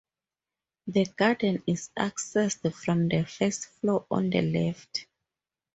The garden is accessed from the first floor on the left.